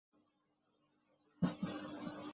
他是汉诺威王国和不伦瑞克公国的继承人。